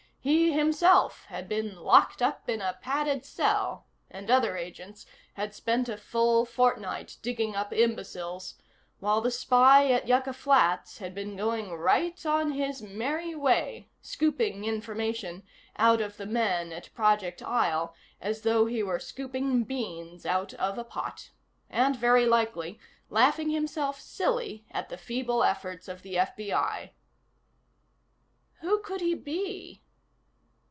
He himself had been locked up in a padded cell, and other agents had spent a full fortnight digging up imbeciles, while the spy at Yucca Flats had been going right on his merry way, scooping information out of the men at Project Isle as though he were scooping beans out of a pot. And, very likely, laughing himself silly at the feeble efforts of the FBI. Who could he be?